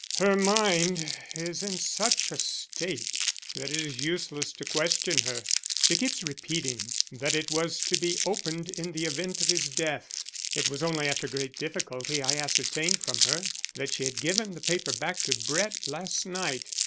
"Her mind is in such a state that it is useless to question her. She keeps repeating that it was to be opened in the event of his death. It was only after great difficulty I ascertained from her that she had given the paper back to Brett last night.